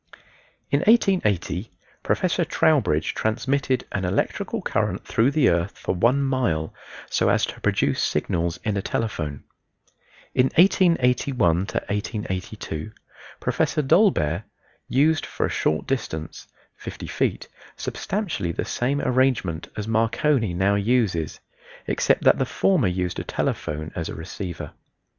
In 1880 Professor Trowbridge transmitted an electrical current through the earth for one mile so as to produce signals in a telephone. In 1881 2 Professor Dolbear used for a short distance (fifty feet) substantially the same arrangement as Marconi now uses, except that the former used a telephone as a receiver.